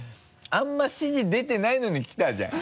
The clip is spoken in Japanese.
あんまり指示出てないのに来たじゃん。